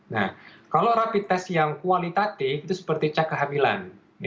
nah kalau rapid test yang kualitatif itu seperti cak kehamilan